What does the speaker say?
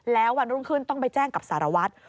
แล้ววันรุ่งขึ้นต้องไปแจ้งกับสารวัตร